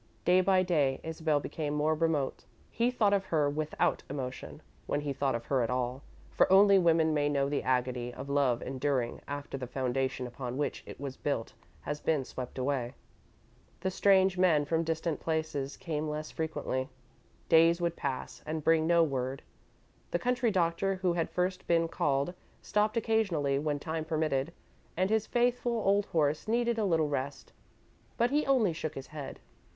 Day by day, Isabel became more remote. He thought of her without emotion when he thought of her at all, for only women may know the agony of love enduring after the foundation upon which it was built has been swept away. The strange men from distant places came less frequently. Days would pass, and bring no word. The country doctor who had first been called stopped occasionally when time permitted, and his faithful old horse needed a little rest, but he only shook his head.